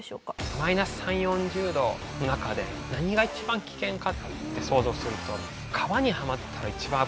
マイナス３０４０度の中で何が一番危険かって想像すると。